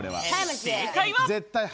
正解は。